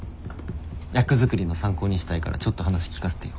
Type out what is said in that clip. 役作りの参考にしたいからちょっと話聞かせてよ。